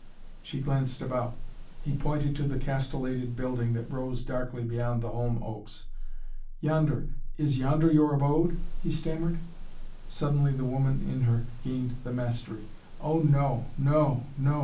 She glanced about. He pointed to the castellated building that rose darkly beyond the holm oaks. "Yonder is yonder your abode?" he stammered. Suddenly the woman in her gained the mastery. "Oh no! No! No!